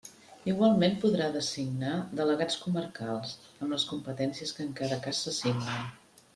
Igualment podrà designar delegats comarcals, amb les competències que en cada cas s'assignen.